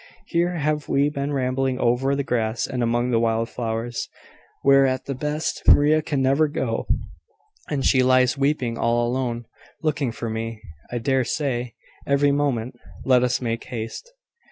Here have we been rambling over the grass and among the wild flowers, where, at the best, Maria can never go; and she lies weeping all alone, looking for me, I dare say, every moment! Let us make haste."